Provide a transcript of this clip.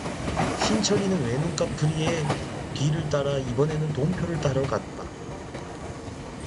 신철이는 외눈까풀이의 뒤를 따라 이번에는 돈표를 타러 갔다.